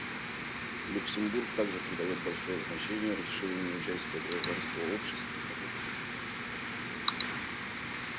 Люксембург также придает большое значение расширению участия гражданского общества в работе Конференции по разоружению.